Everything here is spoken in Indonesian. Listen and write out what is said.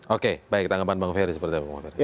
oke baik tanggapan bang ferry seperti apa bang ferry